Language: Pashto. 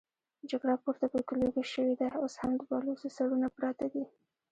جګړه پورته په کليو کې شوې ده، اوس هم د بلوڅو سرونه پراته دي.